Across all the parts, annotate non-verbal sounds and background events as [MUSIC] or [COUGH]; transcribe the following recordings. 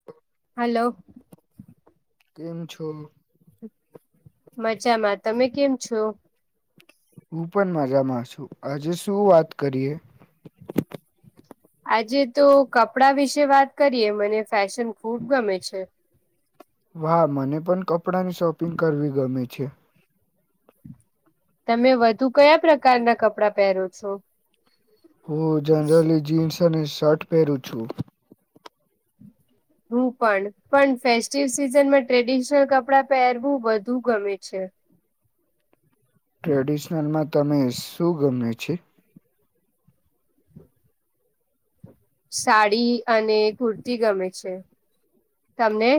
[INAUDIBLE] Hello કેમ છો. મજામાં તમે કેમ છો. હું પણ મજામાં છુ, આજે શું વાત કરીએ આજે તો કપડા વિશે વાત કરીએ મને ફેશન ખુબ ગમે છે. વાહ મને પણ કપડાંની શોપિંગ કરવી ગમે છે. તમે વધુ કયા પ્રકારના કપડા પહેરો છો. હું જનરલી જીન્સ અને શર્ટ પહેરું છુ. હું પણ પણ ફેસ્ટિવલ સિઝનમાં ટ્રેડિશનલ કપડા પહેરવું બધુ ગમે છે ટ્રેડિશનલમાં તમે શું ગમે છે સાડી અને કુર્તી ગમે છે તમને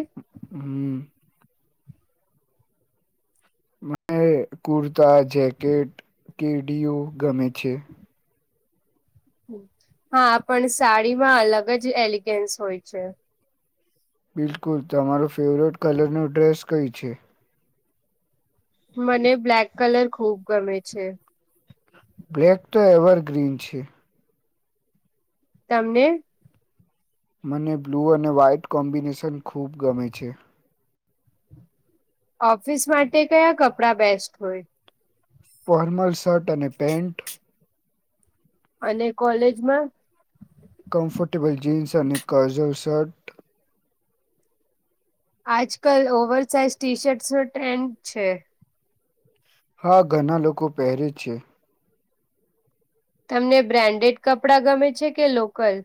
હમ મે કુર્તા જેકેટ કેડીઓ ગમે છે હા પણ સાડીમાં અલગ જ એલિગન્સ હોય છે બિલકુલ તમારો ફેવરેટ કલર નો ડ્રેસ કઈ છે મને બ્લેક કલર ખુબ ગમે છે બ્લેક તો એવર ગ્રીન છે તમને મને બ્લૂ અને વ્હાઈટ કોમ્બિનેશન ખૂબ ગમે છે ઓફિસ માટે કયા કપડા બેસ્ટ હોય ફોર્મલ શર્ટ અને પેન્ટ અને કોલેજમાં કમ્ફર્ટેબલ જીન્સ અને કરઝલ શર્ટ આજ કલ ઓવર સાઇઝ ટી શર્ટ્સ નો ટ્રેન્ડ છે હા ઘણા લોકો પહેરે છે તમને બ્રાન્ડેડ કપડાં ગમે છે કે લોકલ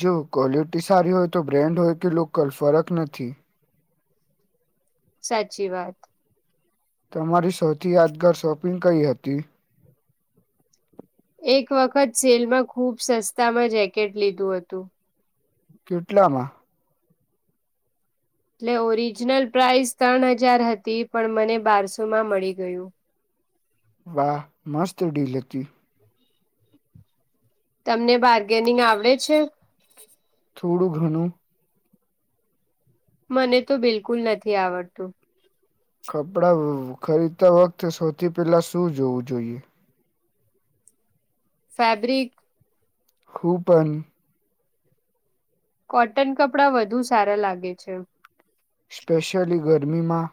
જો ક્વોલિટી સારી હોય તો બ્રેન્ડ હોય કે લોકલ ફરક નથી સાચી વાત તમારી સૌથી યાદગાર શોપિંગ કઈ હતી એક વખત સેલમાં ખુબ સસ્તામાં જેકેટ લીધું હતું કેટલકમાં એટલે ઓરિજિનલ પ્રાઇસ ત્રણ હજાર હતી પણ મને બારસો માં મળી ગયું વાહ મસ્ત ડીલ હતી તમને બાર્ગેનિંગ આવડે છે થોડું ઘણું મને તો બિલકુલ નથી આવડતું કપડાં ખરીદતા વખતે સૌથી પહેલા શું જોવું જોઈએ ફેબ્રિક કુપન કોટન કપડાં વધુ સારા લાગે છે સ્પેશિયલી ગરમીમાં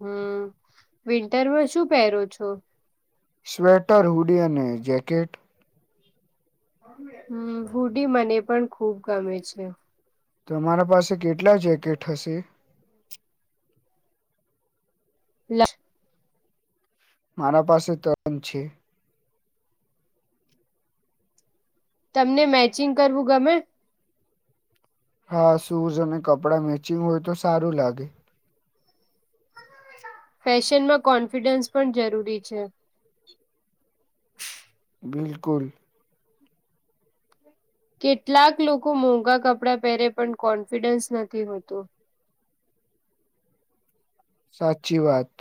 હમ વિન્ટરમાં શું પહેરો છો સ્વેટર હુડી અને જેૅકેટ હમ હુડી મને પણ ખુબ ગમે છે તો અમારા પાસે કેટલા જેકેટ હશે લ મારા પાસે તો જ છે તમને મેચિંગ કરવું ગમે હા શૂઝ અને કપડાં મેચિંગ હોય તો સારું લાગે ફેશનમાં કોન્ફિડન્સ પણ જરૂરી છે બિલકુલ કેટલાક લોકો મોંઘા કપડાં પહેરે પણ કોન્ફિડન્સ નથી હોતું સાચી વાત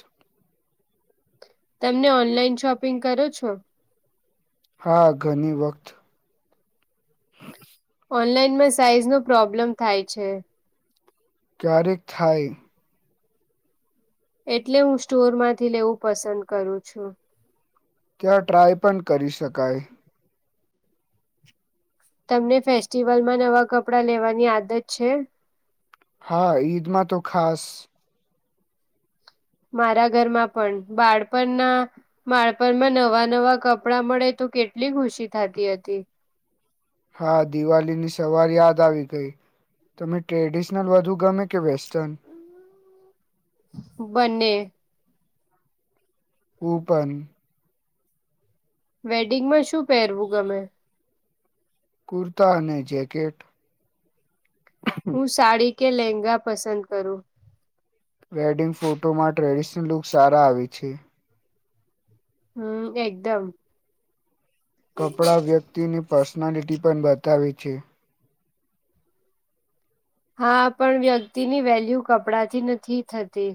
તમને ઓનલાઈન શોપિંગ કરો છો. હા ઘણી વખત હ ઓનલાઈનમાં સાઈઝનો પ્રોબ્લેમ થાય છે ક્યારેક થાય એટલે હું સ્ટોર માંથી લેવું પસંદ કરું છું ક્યાં ટ્રાય પણ કરી શકાય તમને ફેસ્ટિવલમાં નવા કપડા લેવાની આદત છે હા ઈદમાં તો ખાસ મારા ઘરમાં પણ બાળપણના બાળપણમાં નવા નવા કપડા મળે તો કેટલી ખુશી થતી હતી. હા દિવાળીની સવાર યાદ આવી ગઈ તમે ટ્રેડિશનલ વધુ ગમે કે વેસ્ટર્ન બંને કૂપન વેડિંગ માં શું પહેરવું ગમે કુર્તા અને જેકેટ હું સાડી કે લેંગા પસંદ કરુ વેડિંગ ફોટોમાં ટ્રેડિશનલ લુક સારા આવે છે. હમ એકદમ કપડાં વ્યક્તિની પર્સનાલિટી પણ બતાવે છે. હા પણ વ્યક્તિની વેલ્યુ કપડાથી નથી, થતી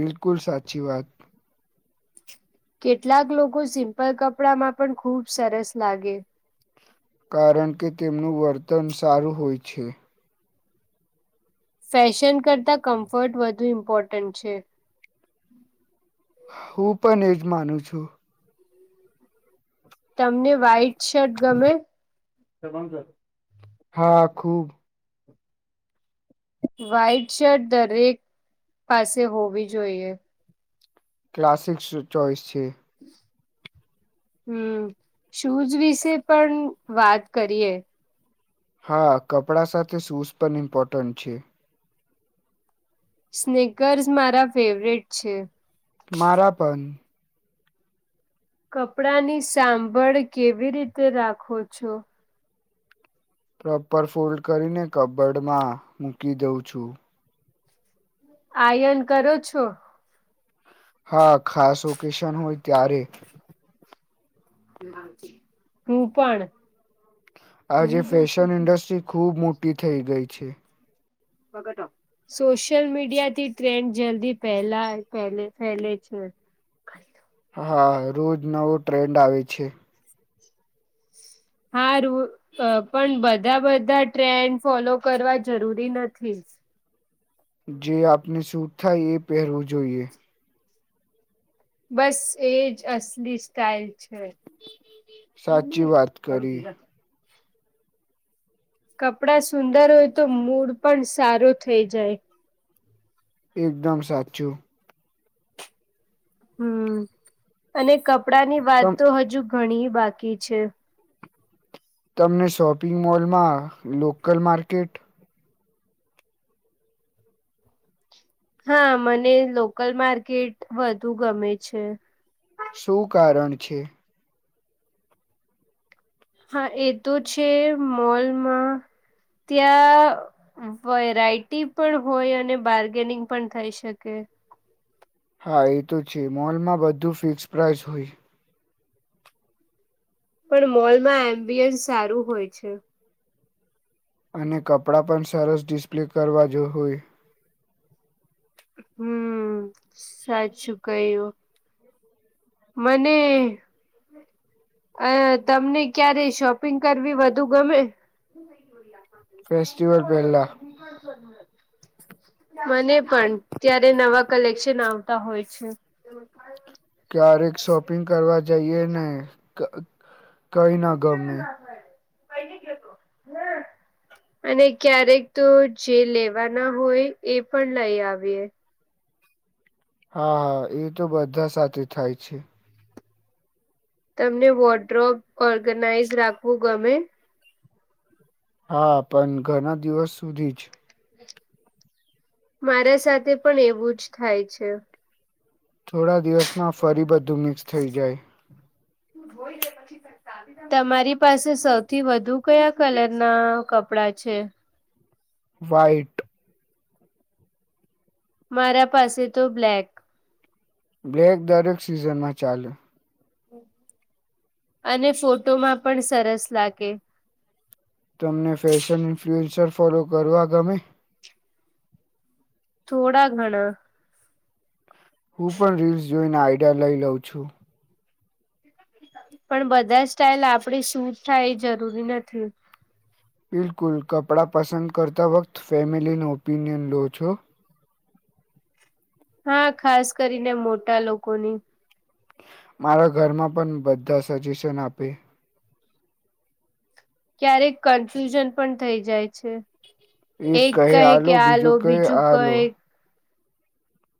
બિલકુલ સાચી વાત કેટલાક લોકો સિમ્પલ કપડામાં પણ ખુબ સરસ લાગે કારણ કે તેમનું વર્તન સારું હોય છે. ફેશન કરતાં કમ્ફર્ટ વધુ ઇમ્પોર્ટન્ટ છે. હું પણ એજ માનું છુ. તમને વ્હાઈટ શર્ટ ગમે હા ખુબ વ્હાઈટ શર્ટ દરેક પાસે હોવી જોઈએ. ક્લાસિક્સ ચોઈસ છે. હમ શુઝ વિશે પણ વાત કરીએ હા કપડા સાથે શૂઝ પણ ઇમ્પોર્ટન્ટ છે. સ્નેકર્સ મારા ફેવરેટ છે. મારા પણ કપડા ની સાંભળ કેવી રીતે રાખો છો. પ્રોપર ફોલ્ડ કરીને કબડમાં મૂકી દઉં છુ. આયન કરો છો. હા ખાસ ઓકેશન હોય ત્યારે હું પણણ આજે ફેશન છું ઇન્ડસ્ટ્રી ખુબ મોટી થઇ ગઈ છે. સોશિયલ મીડિયા થી ટ્રેન્ડ જલ્દી પહેલા ફેલે છે. હા રોજ નવો ટ્રેન્ડ આવે છે. હા રૂ પણ બધા બધા ટ્રેન્ડ ફોલો કરવા જરૂરી નથી. જે આપને સૂટ થાય એ પહેરવું જોઈએ. બસ એજ અસલી સ્ટાઇલ છે. સાચી વાત કરી કપડા સુંદર હોય તો મૂડ પણ સારો થઈ જાય એકદમ સાચું. હમ અને કપડા ની વાત તમ તો હજુ ઘણી બાકી છે. તમને શોપિંગ મોલમાં લોકલ માર્કેટ હા મને લોકલ માર્કેટ વધુ ગમે છે. શું કારણ છે. હા એ તો છે, મોલમાં ત્યાં વેરાયટી પણ હોય, અને બાર્ગેનિંગ પણ થઈ શકે હા એ તો છે, મોલમાં બધું ફિક્સ પ્રાઇસ હોય. પણ મોલમાં એમ્બિયન્સ સારું હોય છે. અને કપડાં પણ સરસ ડિસ્પ્લે કરવા જો હોય. હમ સાચું કું મને અ તમને ક્યારે શોપિંગ કરવી વધુ ગમે? ફેસ્ટિવલ પહેલા [INAUDIBLE] મને પણ ત્યારે નવા કલેક્શન આવતા હોય છે. તેમાં ક ક્યારેક શોપિંગ કરવા જઈએ ને કઈ ના ગમે. [INAUDIBLE] અને ક્યારેક તો જે લેવાના હોય એ પણ લઈ આવીએ. હા હા એ તો બધા સાથે થાય છે. તમને વોડ્રોપ ઓર્ગનાઈઝ રાખવું ગમે! હા પણ ઘણા દિવસ સુધી જ. મારા સાથે પણ એવું જ થાય છે. થોડા દિવસમાં ફરી બધું મિક્સ થઈ જાય. [UNINTELLIGIBLE] તમારી પાસે સૌથી વધુ કયા કલર ના કપડા છે? વાઈટ. મારા પાસે તો બ્લેક. બ્લેક દરેક સિઝનમાં ચાલે. અને ફોટોમાં પણ સરસ લાગે. તમને ફેશન ઇન્ફ્લુઅન્સર ફોલો કરવા ગમે? થોડા ઘણાં. હું પણ રીલ્સ જોઈને આઈડિયા લઈ લઉં છું. [INAUDIBLE] પણ બધા સ્ટાઇલ આપડે શું થાય એ જરૂરી નથી. બિલકુલ કપડાં પસંદ કરતા વખત ફેમિલીનો ઓપિનિયન લો છો. હા ખાસ કરીને મોટા લોકોની. મારા ઘરમાં પણ બધા સજેશન આપે. ક્યારેક કન્ફ્યુઝન પણ થઇ જાય છે. એક કહે કે આ લો બીજું કહે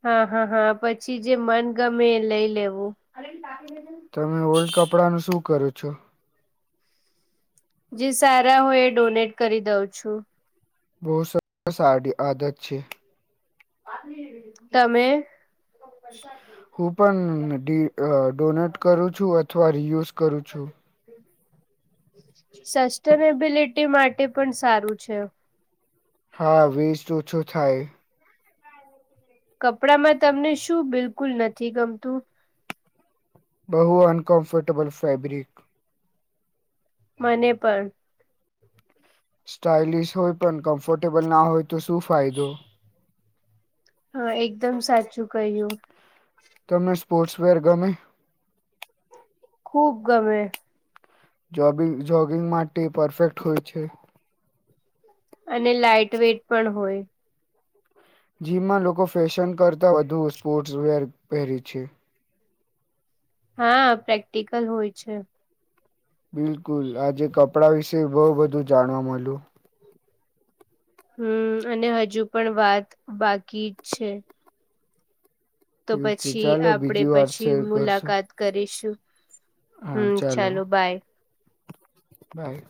હા હા હા પછી જે મન ગમે એ લઈ લેવું. [INAUDIBLE] તમે ઓલ્ડ કપડા નું શું કરો છો? જે સારા હું એ ડોનેટ કરી દઉં છું. બહુ સ સાારી આદત છે. તમે? હું પણ ડોનેટ કરું છું અથવા રિયુઝ કરું છું. સસ્ટેનેબિલિટી માટે પણ સારું છે. હા વેસ્ટ ઓછું થાય. કપડામાં તમને શું બિલકુલ નથી ગમતું? બહુ અનકમ્ફર્ટેબલ ફેબ્રિક મને પણ સ્ટાઇલિશ હોય પણ કમ્ફર્ટેબલ ના હોય તો શું ફાયદો? હા એકદમ સાચું કહ્યું તમને સ્પોર્ટ્સ વેર ગમે? ખુબ ગમે. જોબિ જોગિંગ માટે પરફેક્ટ હોય છે. અને લાાઈટ વેટ પણ હોય? જીમાં લોકો ફેશન કરતા વધુ સ્પોર્ટ્સ વર પહેરે છે. હા પ્રેક્ટિકલ હોય છે. બિલકુલ આજે કપડાં વિશે બહુ બધું જાણવા મળ્યું. હમ અને હજુ પણ વાત બાકી જ છે. તો ઠીક છે પછી ચાલો આપડે બીજી વાર પછી શેર કરશું મુલાકાત કરીશું હમ ચાલો બાય. બાય.